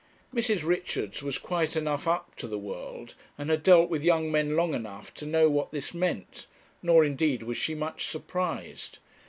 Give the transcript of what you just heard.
Mrs. Richards was quite enough up to the world, and had dealt with young men long enough, to know what this meant; nor indeed was she much surprised.